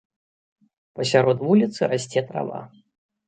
Пасярод вуліцы расце трава.